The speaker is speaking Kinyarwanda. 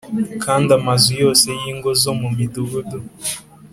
Kandi amazu yose y ingo zo mu midugudu